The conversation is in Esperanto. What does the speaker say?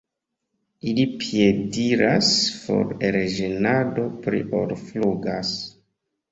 Ili piediras for el ĝenado pli ol flugas.